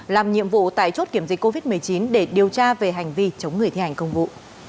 làm nhiệm vụ tại chốt kiểm dịch covid một mươi chín để điều tra về hành vi chống người thi hành công vụ